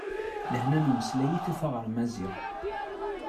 Lehna n umeslay i tufa ɣer Maziɣ.